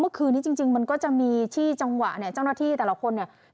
เมื่อคืนนี้จริงมันก็จะมีที่จังหวะเนี่ยเจ้าหน้าที่แต่ละคนเนี่ย